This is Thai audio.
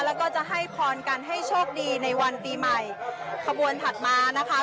แล้วก็จะให้พรกันให้โชคดีในวันปีใหม่ขบวนถัดมานะคะ